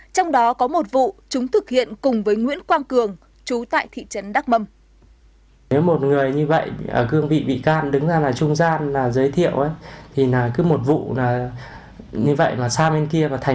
trong đó có một vụ chúng thực hiện cùng với nguyễn quang cường chú tại thị trấn đắc mâm